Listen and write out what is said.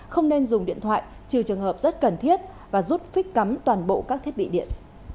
không nên dùng điện thoại trừ trường hợp rất cần thiết và giúp phích cắm toàn bộ các thiết bị điện